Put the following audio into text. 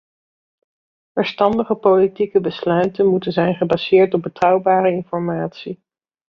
Verstandige politieke besluiten moeten zijn gebaseerd op betrouwbare informatie.